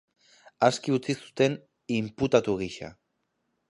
Aske utzi zuten, inputatu gisa.